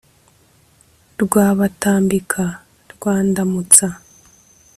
Rwabatambika rwa Ndamutsa